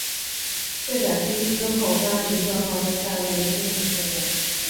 卸载军资后班宁顿号在夏威夷近海训练。